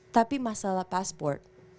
tapi masalah pasport